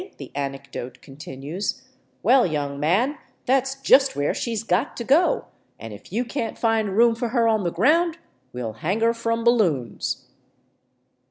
" the mecdote continues, " Well, young man, that 's just where she 's got to 10, and if you can't find room for her on the ground, we '11 hang her 'rom balloons.'